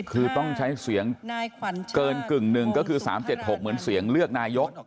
คือต้องใช้เสียงเกินกึ่งหนึ่งก็คือ๓๗๖เหมือนเสียงเลือกนายก